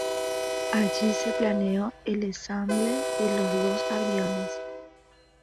Allí se planeó el ensamble de los dos aviones.